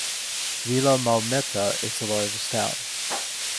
Vila Maumeta is the largest town.